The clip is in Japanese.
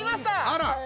あら。